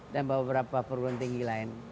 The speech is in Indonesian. dan beberapa program tinggi lain